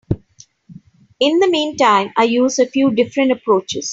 In the meantime, I use a few different approaches.